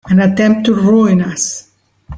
An attempt to ruin us!